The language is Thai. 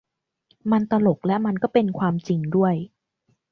มันตลกและมันก็เป็นความจริงด้วย